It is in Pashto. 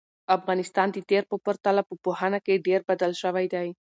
افغانستان د تېر په پرتله په پوهنه کې ډېر بدل شوی دی.